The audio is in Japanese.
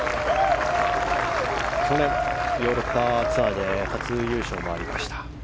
去年、ヨーロッパツアーで初優勝もありました。